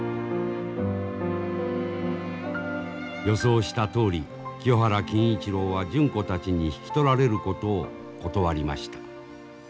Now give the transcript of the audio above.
予想したとおり清原欽一郎は純子たちに引き取られることを断りました。